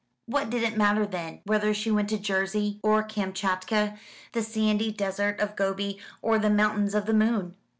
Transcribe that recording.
What did it matter, then, whether she went to Jersey or Kamtchatka, the sandy desert of Gobi or the Mountains of the Moon?